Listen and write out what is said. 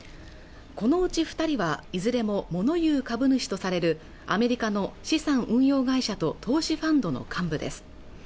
このうち二人はいずれもモノ言う株主とされるアメリカの資産運用会社と投資ファンドの幹部です